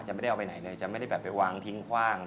ไม่ได้เอาไปไหนเลยจะไม่ได้แบบไปวางทิ้งคว่าง